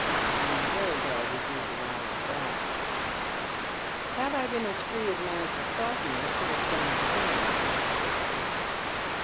I am veiy glad you drew the line at that." " Had I been as free as my uncle thought me I should bar* done the same," replies Sibyl.